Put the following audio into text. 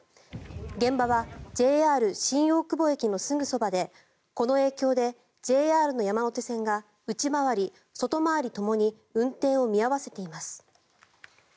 現場はＪＲ新大久保駅のすぐそばでこの影響でＪＲの山手線が内回り・外回りともに運転を見合わせています。